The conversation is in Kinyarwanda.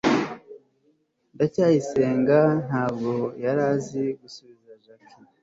ndacyayisenga ntabwo yari azi gusubiza jaki